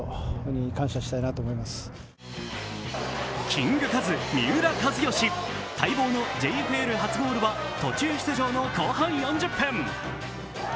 キングカズ・三浦知良、待望のＪＦＬ初ゴールは途中出場の後半４０分。